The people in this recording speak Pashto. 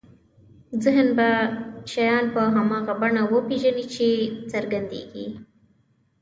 ذهن به شیان په هماغه بڼه وپېژني چې څرګندېږي.